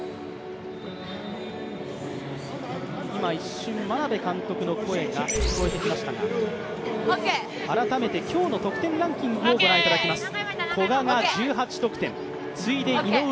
今一瞬、眞鍋監督の声が聞こえてきましたが、改めて、今日の得点ランキングです。